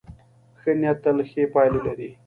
ښه نیت تل ښې پایلې لري.